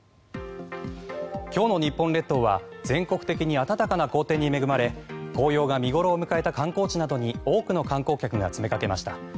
今日の日本列島は全国的に暖かな好天に恵まれ紅葉が見頃を迎えた観光地などに多くの観光客が詰めかけました。